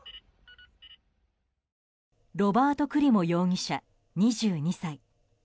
ロバート・クリモ容疑者２２歳。